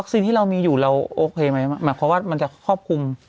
สิ่งที่เรามีอยู่เราโอเคไหมหมายความว่ามันจะครอบคลุม